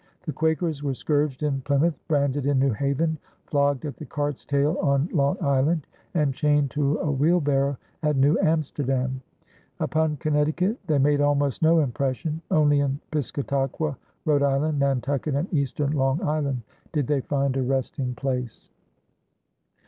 The Quakers were scourged in Plymouth, branded in New Haven, flogged at the cart's tail on Long Island, and chained to a wheelbarrow at New Amsterdam. Upon Connecticut they made almost no impression; only in Piscataqua, Rhode Island, Nantucket, and Eastern Long Island did they find a resting place.